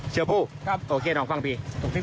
สิบบ้โอเคน้องฟังพี่